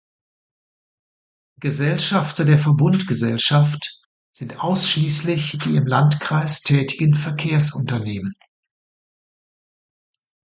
Gesellschafter der Verbundgesellschaft sind ausschließlich die im Landkreis tätigen Verkehrsunternehmen.